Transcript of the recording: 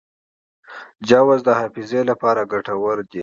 جوز د حافظې لپاره ګټور دي.